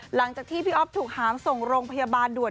หลังจากที่พี่อ๊อฟถูกหามส่งโรงพยาบาลด่วน